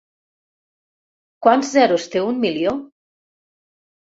Quants zeros té un milió?